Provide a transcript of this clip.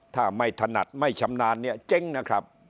ถ้าไม่ถนัดไม่ชำนาญเนี่ยเจ๊งนะครับ